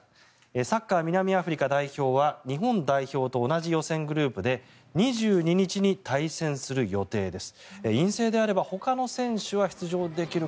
サッカー南アフリカ代表は日本代表と同じ予選グループで２２日に対戦する予定です。